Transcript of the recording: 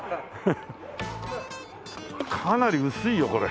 かなり薄いよこれ。